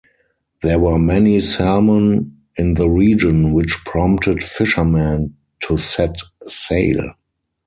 There were many salmon in the region, which prompted fishermen to set sail.